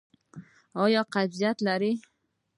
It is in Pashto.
ایا قبضیت لرئ؟